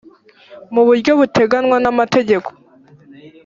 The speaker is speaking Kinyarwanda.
mu buryo buteganywa n amategeko